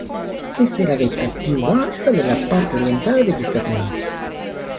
Essa è la vetta più alta della parte orientale degli Stati Uniti.